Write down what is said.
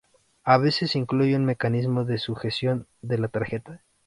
A veces se incluye un mecanismo de sujeción de la tarjeta.